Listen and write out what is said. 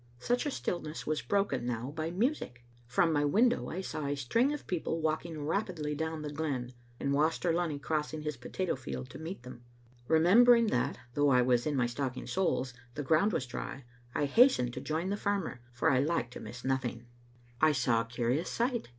Such a stillness was broken now by music. From my window I saw a string of people walking rapidly down the glen, and Waster Lunny crossing his potato field to meet them. Remembering that, though I was in my stocking soles, the ground was dry, I hast ened to join the farmer, for I like to miss nothings I Digitized by VjOOQ IC m Vbc tittle A(nf0tev. saw a curious sight.